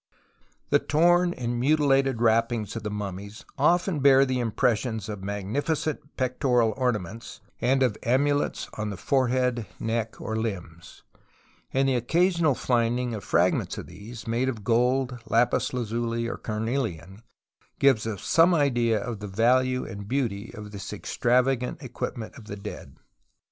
The torn and mutilated wrappings of the mummies often bear the impressions of magnificent pectoral ornaments, and of amulets on the forehead, neck, or limbs ; and the occasional finding of fragments of these, made of gold, lapis lazuli, or carnelian, gives us some idea of the value and beauty of this extravagant equipment of the dead.